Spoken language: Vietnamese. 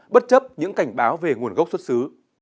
bất chấp những cảnh báo về nguồn gốc xuất xứ